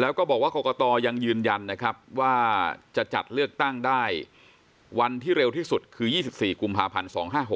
แล้วก็บอกว่ากรกตยังยืนยันนะครับว่าจะจัดเลือกตั้งได้วันที่เร็วที่สุดคือ๒๔กุมภาพันธ์๒๕๖๖